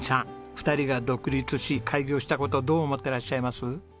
２人が独立し開業した事どう思ってらっしゃいます？